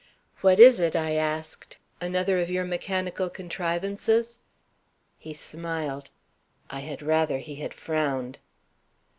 "What is it?" I asked. "Another of your mechanical contrivances?" He smiled; I had rather he had frowned.